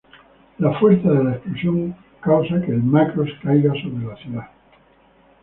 La fuerza de la explosión causa que el Macross caiga sobra la ciudad.